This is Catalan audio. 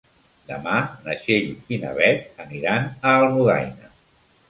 Demà na Txell i na Beth aniran a Almudaina.